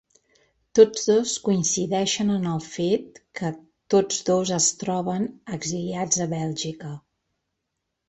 Tots dos coincideixen en el fet que tots dos es troben exiliats a Bèlgica.